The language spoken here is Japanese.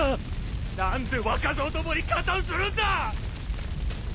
何で若造どもに加担するんだ！